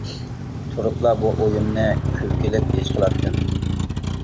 تۇرۇپلا بۇ ئويۇمنى كۈلكىلىك ھېس قىلاتتىم.